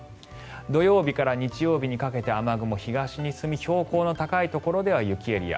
土曜日から日曜日にかけて雨雲、東に進み標高の高いところでは雪エリア。